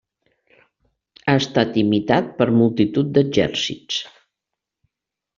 Ha estat imitat per multitud d'exèrcits.